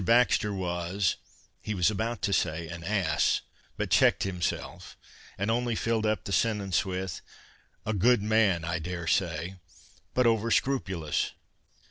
Baxter was," he was about to say "an ass," but checked himself, and only filled up the sentence with "a good man, I dare say, but over scrupulous."